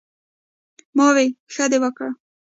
" ـ ما وې " ښۀ دې وکړۀ " ـ